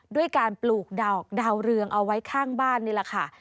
ด้วยการปลูกดาวเรืองเอาไว้ข้างบ้านนี่แหละค่ะ